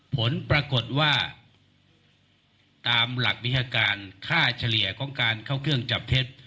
ผลปรากฏว่าตามหลักวิทยาการค่าเฉลี่ยของการเข้าเครื่องจับเท็จ